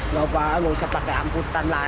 nggak usah pakai angkutan lah